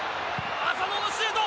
浅野のシュート。